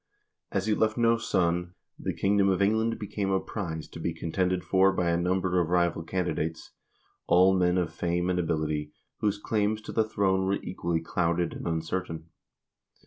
As he left no son, the kingdom of England became a prize to be contended for by a number of rival candidates, all men of fame and ability, whose claims to the throne were equally clouded and uncertain.